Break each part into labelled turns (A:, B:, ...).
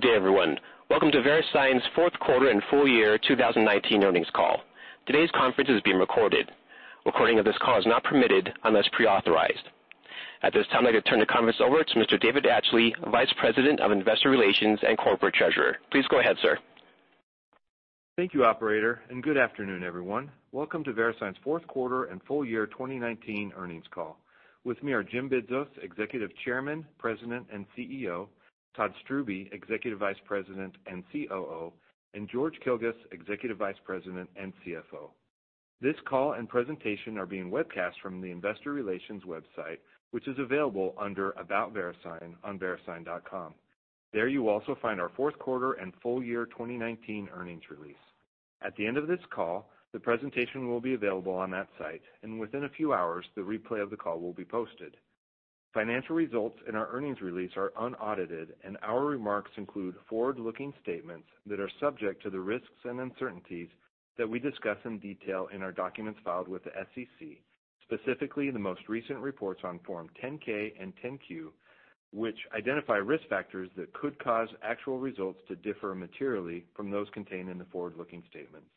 A: Good day, everyone. Welcome to VeriSign's Q4 and Full Year 2019 Earnings Call. Today's conference is being recorded. Recording of this call is not permitted unless pre-authorized. At this time, I could turn the conference over to Mr. David Atchley, Vice President of Investor Relations and Corporate Treasurer. Please go ahead, sir.
B: Thank you, operator, and good afternoon, everyone. Welcome to VeriSign's Q4 and Full Year 2019 Earnings Call. With me are Jim Bidzos, Executive Chairman, President, and CEO; Todd Strubbe, Executive Vice President and COO; and George Kilguss, Executive Vice President and CFO. This call and presentation are being webcast from the investor relations website, which is available under About VeriSign on verisign.com. There you will also find our Q4 and full year 2019 earnings release. At the end of this call, the presentation will be available on that site, and within a few hours, the replay of the call will be posted. Financial results in our earnings release are unaudited, and our remarks include forward-looking statements that are subject to the risks and uncertainties that we discuss in detail in our documents filed with the SEC, specifically in the most recent reports on Form 10-K and 10-Q, which identify risk factors that could cause actual results to differ materially from those contained in the forward-looking statements.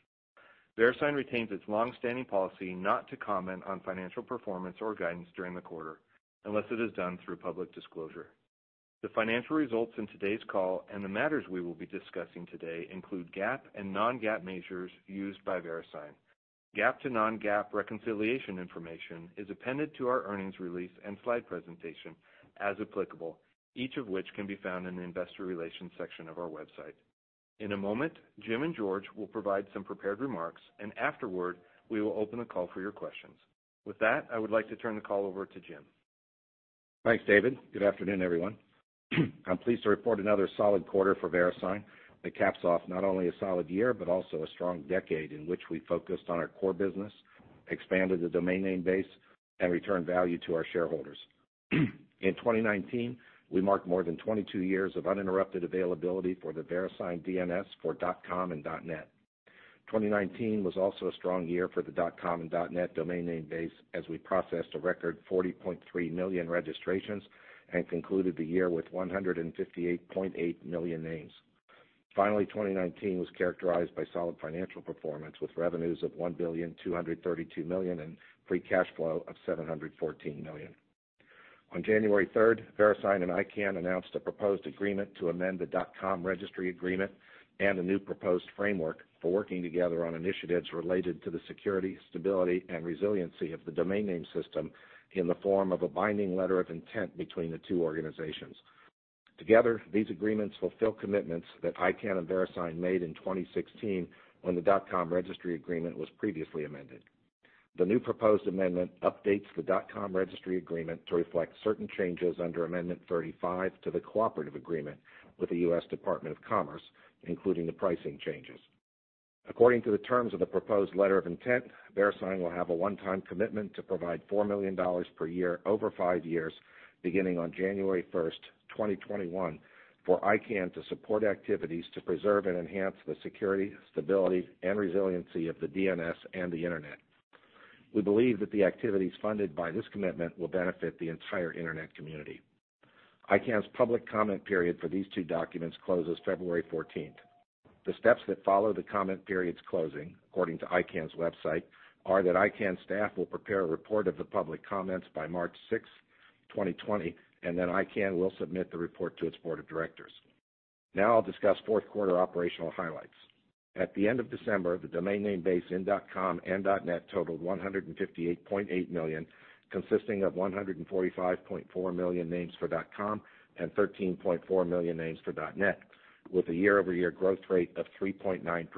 B: VeriSign retains its longstanding policy not to comment on financial performance or guidance during the quarter unless it is done through public disclosure. The financial results in today's call and the matters we will be discussing today include GAAP and non-GAAP measures used by VeriSign. GAAP to non-GAAP reconciliation information is appended to our earnings release and slide presentation as applicable, each of which can be found in the investor relations section of our website. In a moment, Jim and George will provide some prepared remarks, afterward, we will open the call for your questions. With that, I would like to turn the call over to Jim.
C: Thanks, David. Good afternoon, everyone. I'm pleased to report another solid quarter for VeriSign that caps off not only a solid year, but also a strong decade in which we focused on our core business, expanded the domain name base, and returned value to our shareholders. In 2019, we marked more than 22 years of uninterrupted availability for the VeriSign DNS for .com and .net. 2019 was also a strong year for the .com and .net domain name base as we processed a record 40.3 million registrations and concluded the year with 158.8 million names. Finally, 2019 was characterized by solid financial performance, with revenues of $1.232 billion and free cash flow of $714 million. On January 3rd, VeriSign and ICANN announced a proposed agreement to amend the .com registry agreement and a new proposed framework for working together on initiatives related to the security, stability, and resiliency of the domain name system in the form of a binding letter of intent between the two organizations. Together, these agreements fulfill commitments that ICANN and VeriSign made in 2016 when the .com registry agreement was previously amended. The new proposed amendment updates the .com registry agreement to reflect certain changes under Amendment 35 to the cooperative agreement with the U.S. Department of Commerce, including the pricing changes. According to the terms of the proposed letter of intent, VeriSign will have a one-time commitment to provide $4 million per year over five years, beginning on January 1, 2021, for ICANN to support activities to preserve and enhance the security, stability, and resiliency of the DNS and the internet. We believe that the activities funded by this commitment will benefit the entire internet community. ICANN's public comment period for these two documents closes February 14. The steps that follow the comment period's closing, according to ICANN's website, are that ICANN staff will prepare a report of the public comments by March 6, 2020, and then ICANN will submit the report to its board of directors. Now I'll discuss Q4 operational highlights. At the end of December, the domain name base in .com and .net totaled 158.8 million, consisting of 145.4 million names for .com and 13.4 million names for .net, with a year-over-year growth rate of 3.9%.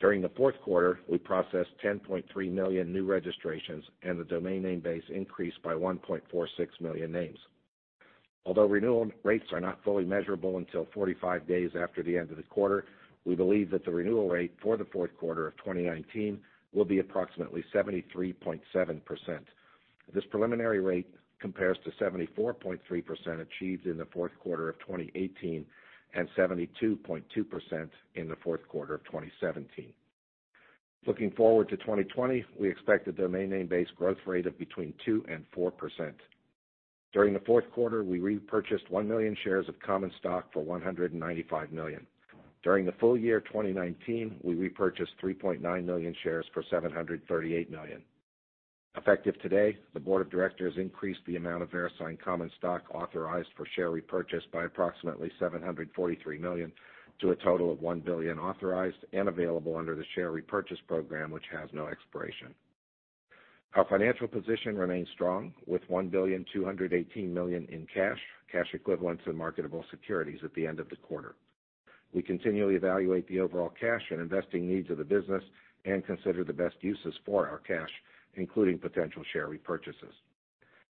C: During the Q4, we processed 10.3 million new registrations, and the domain name base increased by 1.46 million names. Although renewal rates are not fully measurable until 45 days after the end of the quarter, we believe that the renewal rate for the Q4 of 2019 will be approximately 73.7%. This preliminary rate compares to 74.3% achieved in the Q4 of 2018, and 72.2% in the Q4 of 2017. Looking forward to 2020, we expect a domain name base growth rate of between 2% and 4%. During the Q4, we repurchased 1 million shares of common stock for $195 million. During the full year 2019, we repurchased 3.9 million shares for $738 million. Effective today, the board of directors increased the amount of VeriSign common stock authorized for share repurchase by approximately $743 million to a total of $1 billion authorized and available under the share repurchase program, which has no expiration. Our financial position remains strong, with $1.218 billion in cash equivalents, and marketable securities at the end of the quarter. We continually evaluate the overall cash and investing needs of the business and consider the best uses for our cash, including potential share repurchases.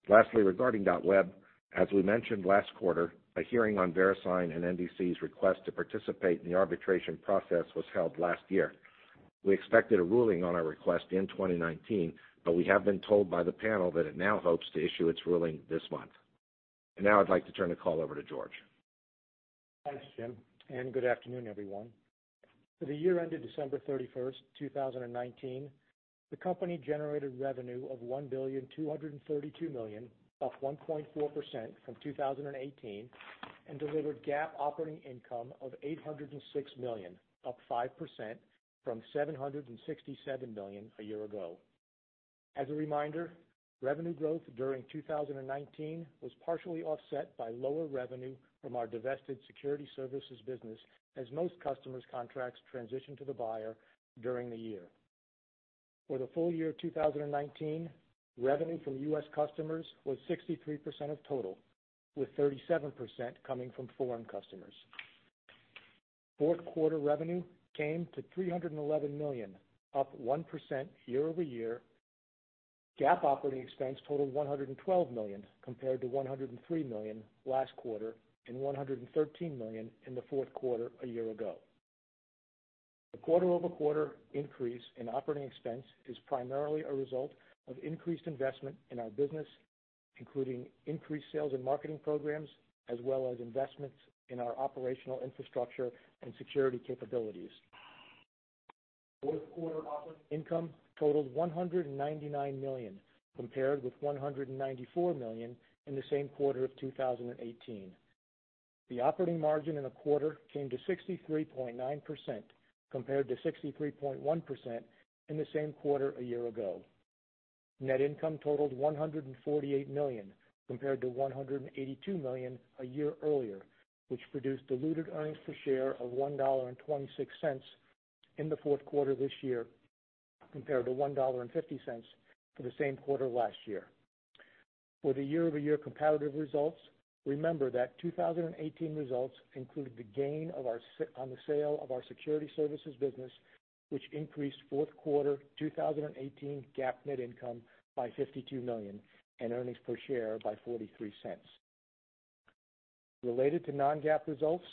C: Lastly, regarding .web, as we mentioned last quarter, a hearing on VeriSign and NDC's request to participate in the arbitration process was held last year. We expected a ruling on our request in 2019, but we have been told by the panel that it now hopes to issue its ruling this month. Now I'd like to turn the call over to George.
D: Thanks, Jim, and good afternoon, everyone. For the year ended December 31st, 2019, the company generated revenue of $1.232 billion, up 1.4% from 2018, and delivered GAAP operating income of $806 million, up 5% from $767 million a year ago. As a reminder, revenue growth during 2019 was partially offset by lower revenue from our divested security services business, as most customers' contracts transitioned to the buyer during the year. For the full year of 2019, revenue from U.S. customers was 63% of total, with 37% coming from foreign customers. Fourth quarter revenue came to $311 million, up 1% year-over-year. GAAP operating expense totaled $112 million compared to $103 million last quarter and $113 million in the Q4 a year ago. The quarter-over-quarter increase in operating expense is primarily a result of increased investment in our business, including increased sales and marketing programs, as well as investments in our operational infrastructure and security capabilities. Fourth quarter operating income totaled $199 million compared with $194 million in the same quarter of 2018. The operating margin in the quarter came to 63.9% compared to 63.1% in the same quarter a year ago. Net income totaled $148 million compared to $182 million a year earlier, which produced diluted earnings per share of $1.26 in the Q4 this year, compared to $1.50 for the same quarter last year. For the year-over-year comparative results, remember that 2018 results included the gain on the sale of our Verisign Security Services business, which increased Q4 2018 GAAP net income by $52 million and earnings per share by $0.43. Related to non-GAAP results,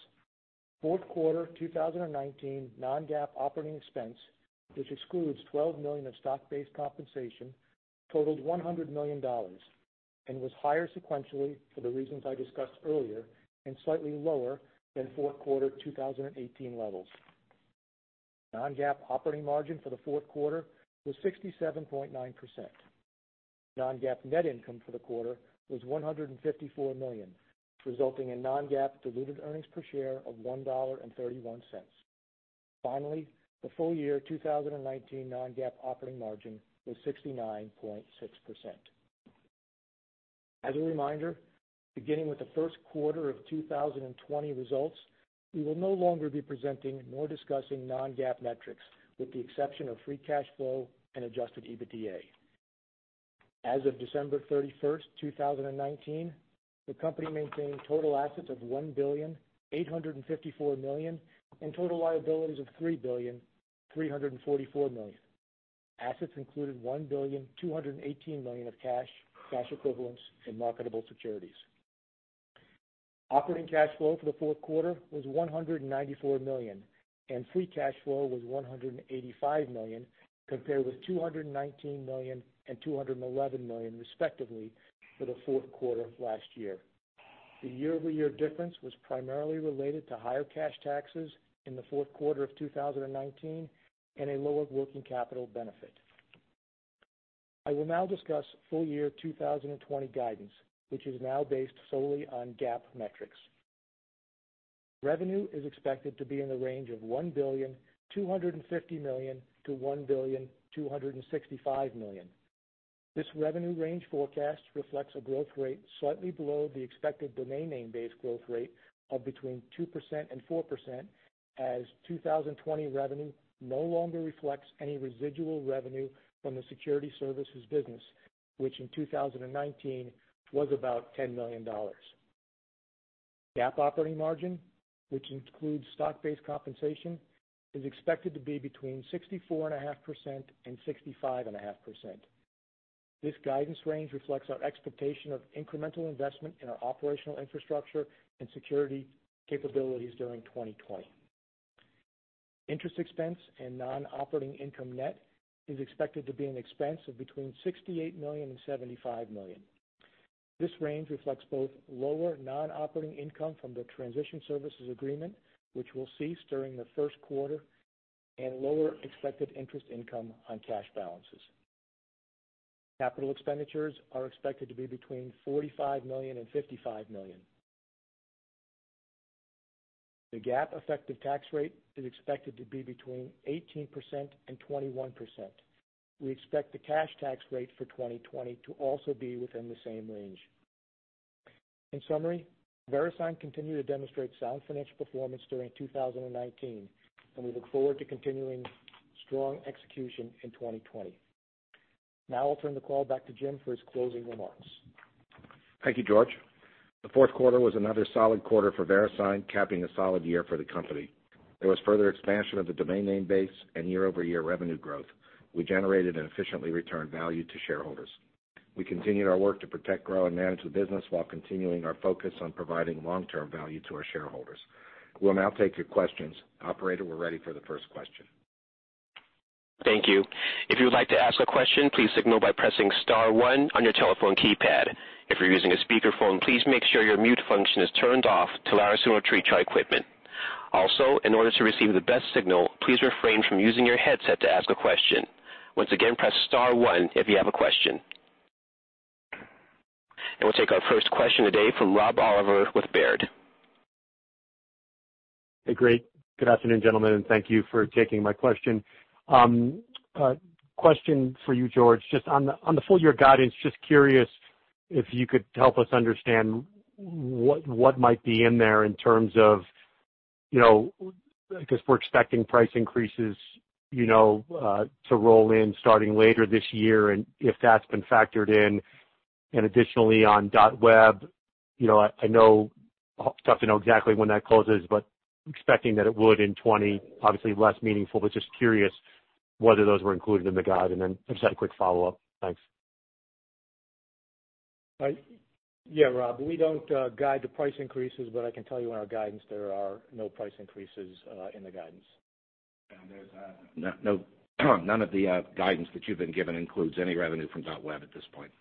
D: Q4 2019 non-GAAP operating expense, which excludes $12 million of stock-based compensation, totaled $100 million and was higher sequentially for the reasons I discussed earlier, and slightly lower than Q4 2018 levels. Non-GAAP operating margin for the 4th quarter was 67.9%. Non-GAAP net income for the quarter was $154 million, resulting in non-GAAP diluted earnings per share of $1.31. Finally, the full year 2019 non-GAAP operating margin was 69.6%. As a reminder, beginning with the 1st quarter of 2020 results, we will no longer be presenting nor discussing non-GAAP metrics, with the exception of free cash flow and adjusted EBITDA. As of December 31st, 2019, the company maintained total assets of $1,854 million and total liabilities of $3,344 million. Assets included $1,218 million of cash equivalents, and marketable securities. Operating cash flow for the Q4 was $194 million, and free cash flow was $185 million, compared with $219 million and $211 million respectively for the Q4 of last year. The year-over-year difference was primarily related to higher cash taxes in the Q4 of 2019 and a lower working capital benefit. I will now discuss full year 2020 guidance, which is now based solely on GAAP metrics. Revenue is expected to be in the range of $1.25 billion-$1.265 billion. This revenue range forecast reflects a growth rate slightly below the expected domain name base growth rate of between 2% and 4%, as 2020 revenue no longer reflects any residual revenue from the Verisign Security Services, which in 2019 was about $10 million. GAAP operating margin, which includes stock-based compensation, is expected to be between 64.5% and 65.5%. This guidance range reflects our expectation of incremental investment in our operational infrastructure and security capabilities during 2020. Interest expense and non-operating income net is expected to be an expense of between $68 million and $75 million. This range reflects both lower non-operating income from the transition services agreement, which will cease during the Q1, and lower expected interest income on cash balances. Capital expenditures are expected to be between $45 million and $55 million. The GAAP effective tax rate is expected to be between 18% and 21%. We expect the cash tax rate for 2020 to also be within the same range. In summary, VeriSign continued to demonstrate sound financial performance during 2019, and we look forward to continuing strong execution in 2020. Now I'll turn the call back to Jim for his closing remarks.
C: Thank you, George. The Q4 was another solid quarter for VeriSign, capping a solid year for the company. There was further expansion of the domain name base and year-over-year revenue growth. We generated and efficiently returned value to shareholders. We continued our work to protect, grow, and manage the business while continuing our focus on providing long-term value to our shareholders. We'll now take your questions. Operator, we're ready for the first question.
A: We'll take our first question today from Rob Oliver with Baird.
E: Hey, great. Good afternoon, gentlemen, and thank you for taking my question. Question for you, George. Just on the, on the full year guidance, just curious if you could help us understand what might be in there in terms of, we're expecting price increases to roll in starting later this year, and if that's been factored in. Additionally on .web, I know it's tough to know exactly when that closes, but expecting that it would in 2020, obviously less meaningful, but just curious whether those were included in the guide. Then just had a quick follow-up. Thanks.
D: Yeah, Rob. We don't guide the price increases, but I can tell you in our guidance there are no price increases in the guidance.
F: None of the guidance that you've been given includes any revenue from .web at this point.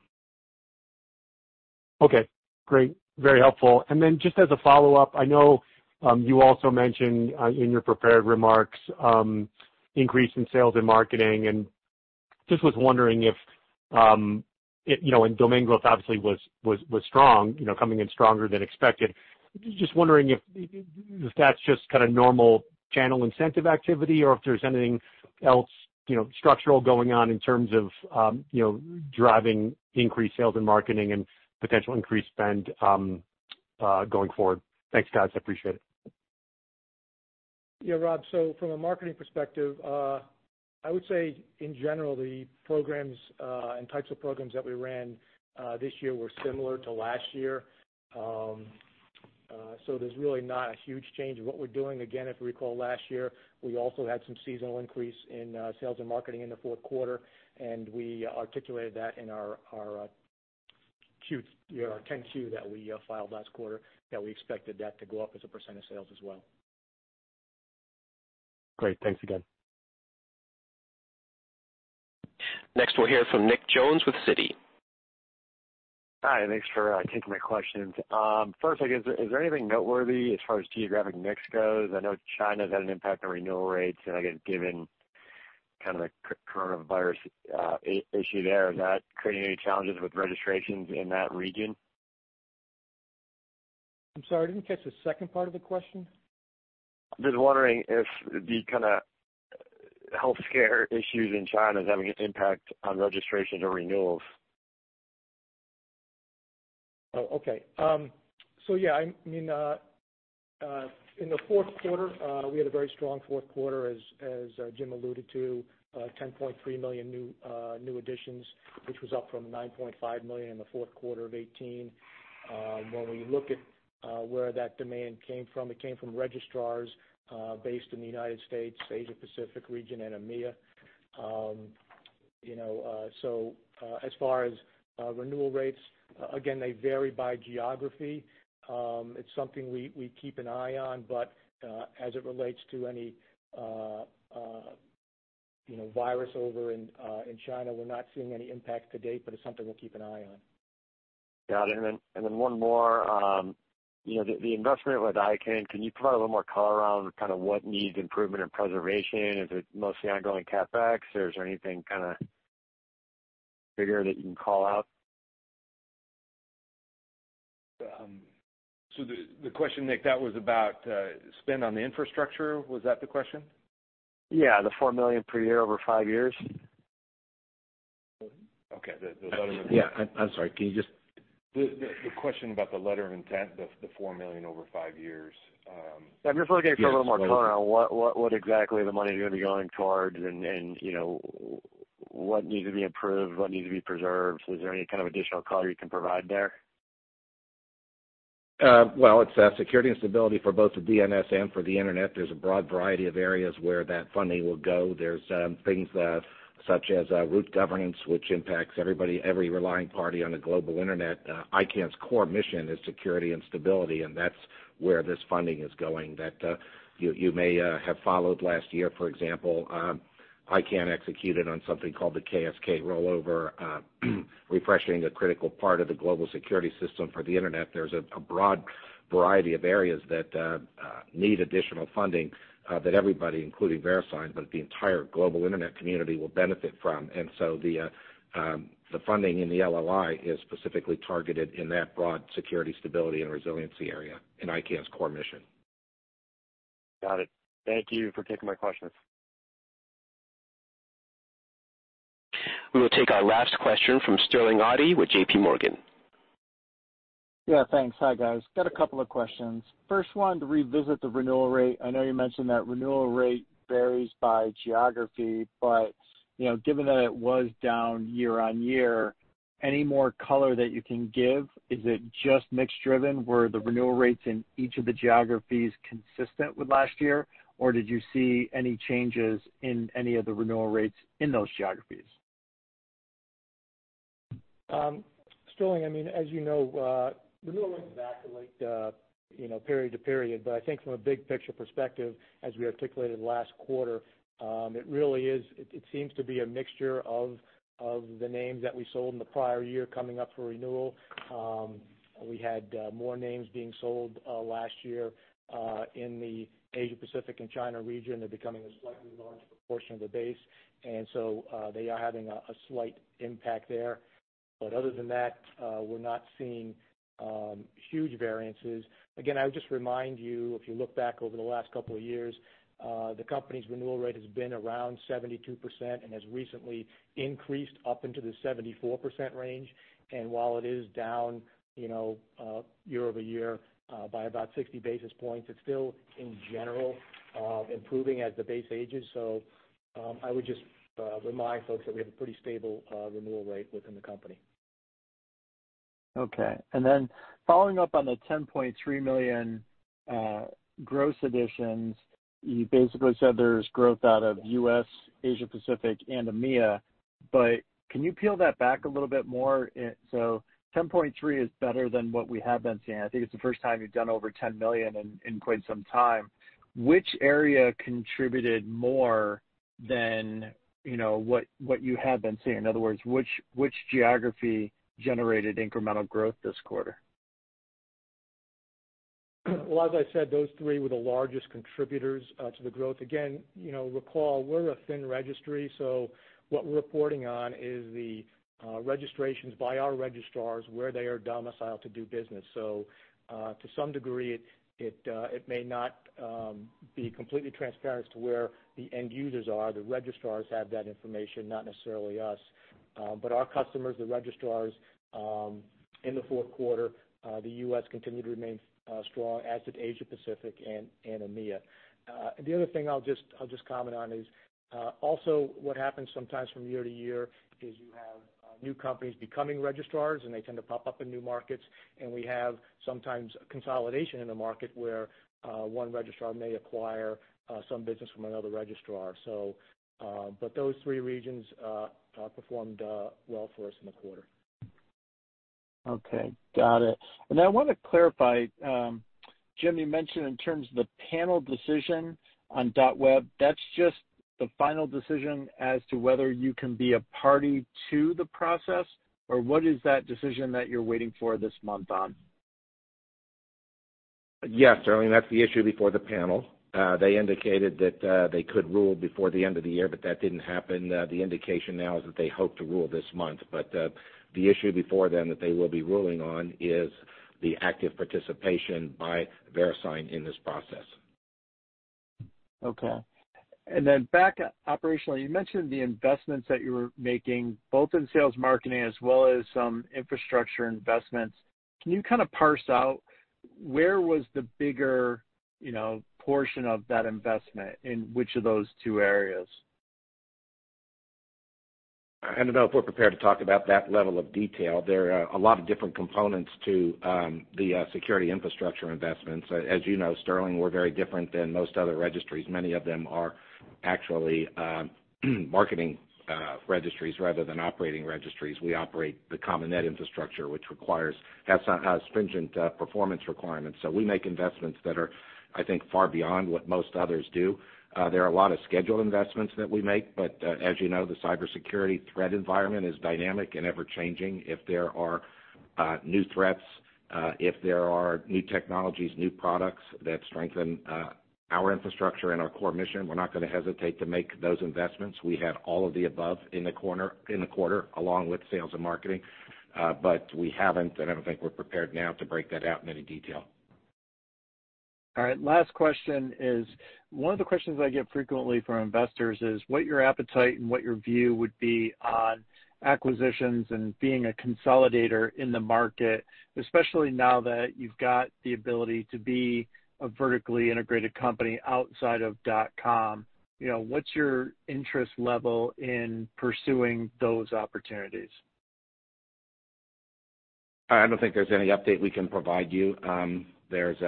E: Okay, great. Very helpful. Then just as a follow-up, I know you also mentioned in your prepared remarks, increase in sales and marketing, and just was wondering if, and domain growth obviously was strong coming in stronger than expected. Just wondering if that's just kind of normal channel incentive activity or if there's anything else, structural going on in terms of driving increased sales and marketing and potential increased spend going forward. Thanks, guys. I appreciate it.
C: Yeah, Rob, from a marketing perspective, I would say in general, the programs and types of programs that we ran this year were similar to last year. There's really not a huge change. What we're doing, again, if we recall last year, we also had some seasonal increase in sales and marketing in the Q4, and we articulated that in our, Form 10-Q that we filed last quarter that we expected that to go up as a % of sales as well.
E: Great. Thanks again.
A: Next, we'll hear from Nick Jones with Citi.
G: Hi, thanks for taking my questions. First, like, is there anything noteworthy as far as geographic mix goes? I know China's had an impact on renewal rates, and given kind of the coronavirus issue there, is that creating any challenges with registrations in that region?
D: I'm sorry, I didn't catch the second part of the question.
G: Just wondering if the kinda healthcare issues in China is having an impact on registrations or renewals?
D: Okay. In the Q4, we had a very strong Q4, as Jim alluded to, $10.3 million new additions, which was up from $9.5 million in the Q4 of 2018. When we look at where that demand came from, it came from registrars based in the United States, Asia Pacific region, and EMEA. As far as renewal rates, again, they vary by geography. It's something we keep an eye on, but as it relates to any virus over in China, we're not seeing any impact to date, but it's something we'll keep an eye on.
G: Got it. One more. The investment with ICANN, can you provide a little more color around kinda what needs improvement and preservation? Is it mostly ongoing CapEx, or is there anything kinda bigger that you can call out?
F: The question, Nick, that was about spend on the infrastructure, was that the question?
G: The $4 million per year over five years.
F: Okay. The letter of intent.
C: Yeah. I'm sorry. Can you just?
F: The question about the letter of intent, the $4 million over five years.
G: I'm just looking for a little more color on what exactly the money is gonna be going towards and what needs to be improved, what needs to be preserved. Is there any kind of additional color you can provide there?
C: It's security and stability for both the DNS and for the Internet. There's a broad variety of areas where that funding will go. There's things such as root governance, which impacts everybody, every relying party on the global Internet. ICANN's core mission is security and stability, and that's where this funding is going that you may have followed last year, for example, ICANN executed on something called the KSK rollover, refreshing a critical part of the global security system for the Internet. There's a broad variety of areas that need additional funding that everybody, including VeriSign, but the entire global Internet community will benefit from. The funding in the LOI is specifically targeted in that broad security, stability, and resiliency area in ICANN's core mission.
G: Got it. Thank you for taking my questions.
A: We will take our last question from Sterling Auty with JP Morgan.
H: Yeah, thanks. Hi, guys. Got a couple of questions. First one, to revisit the renewal rate. I know you mentioned that renewal rate varies by geography, but given that it was down year-over-year, any more color that you can give? Is it just mix driven? Were the renewal rates in each of the geographies consistent with last year, or did you see any changes in any of the renewal rates in those geographies?
D: Sterling, as renewal rates vacillate, period to period. From a big picture perspective, as we articulated last quarter, it seems to be a mixture of the names that we sold in the prior year coming up for renewal. We had more names being sold last year in the Asia Pacific and China region. They're becoming a slightly larger proportion of the base. They are having a slight impact there. Other than that, we're not seeing huge variances. Again, I would just remind you, if you look back over the last couple of years, the company's renewal rate has been around 72% and has recently increased up into the 74% range. While it is down, year-over-year, by about 60 basis points, it's still, in general, improving as the base ages. I would just remind folks that we have a pretty stable renewal rate within the company.
H: Okay. Following up on the 10.3 million gross additions, you basically said there's growth out of U.S., Asia Pacific and EMEA. Can you peel that back a little bit more? 10.3 is better than what we have been seeing. It's the first time you've done over 10 million in quite some time. Which area contributed more than what you had been seeing? In other words, which geography generated incremental growth this quarter?
D: As I said, those three were the largest contributors to the growth. Again, recall we're a thin registry, what we're reporting on is the registrations by our registrars where they are domiciled to do business. To some degree, it may not be completely transparent as to where the end users are. The registrars have that information, not necessarily us. Our customers, the registrars, in the Q4, the U.S. continued to remain strong, as did Asia Pacific and EMEA. The other thing I'll just comment on is also what happens sometimes from year to year is you have new companies becoming registrars, they tend to pop up in new markets. We have sometimes consolidation in the market, where one registrar may acquire some business from another registrar. But those three regions performed well for us in the quarter.
H: Okay, got it. I wanna clarify, Jim, you mentioned in terms of the panel decision on .web, that's just the final decision as to whether you can be a party to the process, or what is that decision that you're waiting for this month on?
C: Yes, Sterling, that's the issue before the panel. They indicated that they could rule before the end of the year, but that didn't happen. The indication now is that they hope to rule this month. The issue before them that they will be ruling on is the active participation by VeriSign in this process.
H: Okay. Back operationally, you mentioned the investments that you were making both in sales marketing as well as some infrastructure investments. Can you kind of parse out where was the bigger portion of that investment, in which of those two areas?
C: I don't know if we're prepared to talk about that level of detail. There are a lot of different components to the security infrastructure investments. As Sterling, we're very different than most other registries. Many of them are actually marketing registries rather than operating registries. We operate the .com and .net infrastructure, which has stringent performance requirements. We make investments that are, I think, far beyond what most others do. There are a lot of scheduled investments that we make, as the cybersecurity threat environment is dynamic and ever-changing. If there are new threats, if there are new technologies, new products that strengthen our infrastructure and our core mission, we're not gonna hesitate to make those investments. We had all of the above in the quarter, along with sales and marketing. We haven't, and I don't think we're prepared now to break that out in any detail.
H: All right. Last question is, one of the questions I get frequently from investors is what your appetite and what your view would be on acquisitions and being a consolidator in the market, especially now that you've got the ability to be a vertically integrated company outside of .com. What's your interest level in pursuing those opportunities?
C: I don't think there's any update we can provide you. There's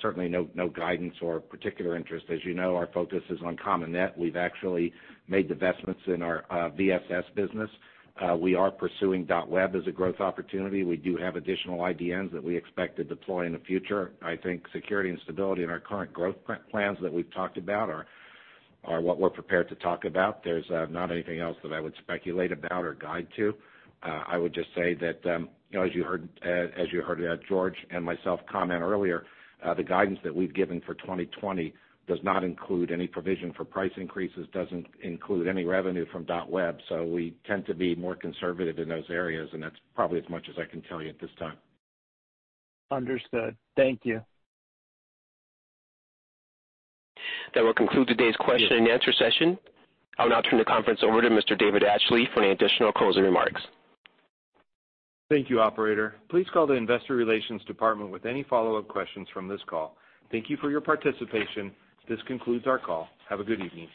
C: certainly no guidance or particular interest. As our focus is on .com and .net. We've actually made investments in our VSS business. We are pursuing .web as a growth opportunity. We do have additional IDNs that we expect to deploy in the future. Security and stability in our current growth plans that we've talked about are what we're prepared to talk about. There's not anything else that I would speculate about or guide to. I would just say that as you heard George and myself comment earlier, the guidance that we've given for 2020 does not include any provision for price increases, doesn't include any revenue from .web. We tend to be more conservative in those areas, and that's probably as much as I can tell you at this time.
H: Understood. Thank you.
A: That will conclude today's question and answer session. I'll now turn the conference over to Mr. David Atchley for any additional closing remarks.
B: Thank you, Operator. Please call the investor relations department with any follow-up questions from this call. Thank you for your participation. This concludes our call. Have a good evening.